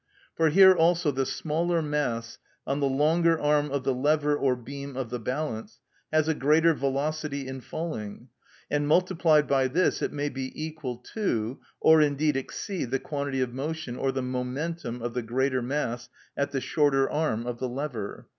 For here also the smaller mass, on the longer arm of the lever or beam of the balance, has a greater velocity in falling; and multiplied by this it may be equal to, or indeed exceed, the quantity of motion or the momentum of the greater mass at the shorter arm of the lever.